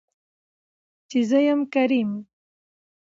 چې زه يمه کريم .